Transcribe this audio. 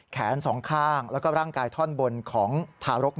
แขนสองข้างแล้วก็ร่างกายท่อนบนของทารก